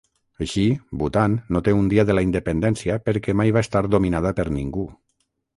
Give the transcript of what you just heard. Així, Bhutan no té un Dia de la Independència perquè mai va estar dominada per ningú.